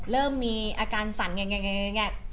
เริ่มมีอาการสั่นไง